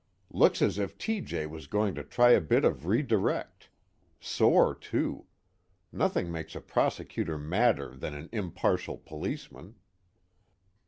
"Looks as if T.J. was going to try a bit of redirect. Sore too. Nothing makes a prosecutor madder than an impartial policeman."